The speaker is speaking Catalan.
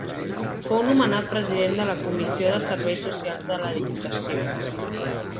Fou nomenat president de la Comissió de Serveis Socials de la Diputació.